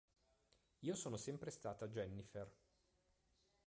Io sono sempre stata Jennifer".